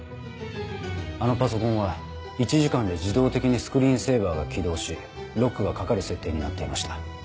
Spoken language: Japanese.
あのパソコンは１時間で自動的にスクリーンセーバーが起動しロックが掛かる設定になっていました。